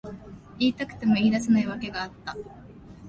言いたくても言い出せない訳があった。